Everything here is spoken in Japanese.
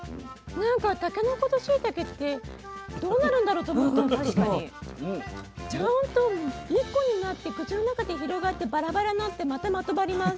なんかタケノコとしいたけってどうなるんだろうと思ったんだけどちゃんと１個になって口の中で広がってバラバラになってまたまとまります。